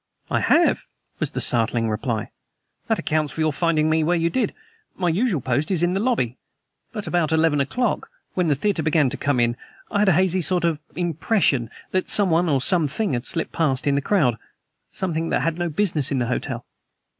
"I have!" was the startling reply. "That accounts for your finding me where you did. My usual post is in the lobby. But about eleven o'clock, when the theater people began to come in I had a hazy sort of impression that someone or something slipped past in the crowd something that had no business in the hotel."